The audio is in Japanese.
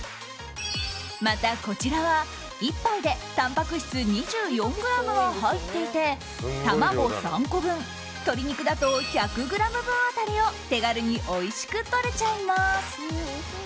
また、こちらは１杯でたんぱく質２４ｇが入っていて卵３個分、鶏肉だと１００ｇ分当たりを手軽においしくとれちゃいます。